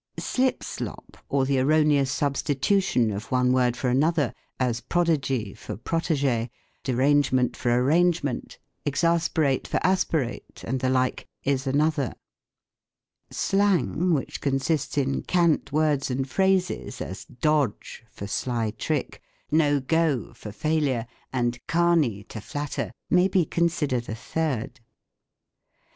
Slipslop, or the erroneous substitution of one word for another, as "prodigy" for "protegee," "derange. He's only a little " prodigy" of mine, Doctor. ment" for " arrangement," " exasperate" for " aspi rate," and the like, is another. Slang, which consists in cant words and phrases, as " dodge" for " sly trick," " no go " for " failure," and " Carney" "to flatter," may be considered a third.